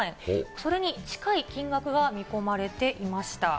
それに近い金額が見込まれていました。